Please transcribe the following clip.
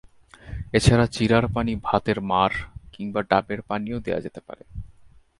এছাড়া চিড়ার পানি, ভাতের মাড়, কিংবা ডাবের পানিও দেওয়া যেতে পারে।